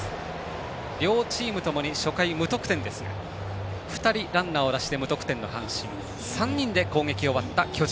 両チームともに初回無得点ですが２人ランナーを出して無得点の阪神。３人で攻撃が終わった巨人。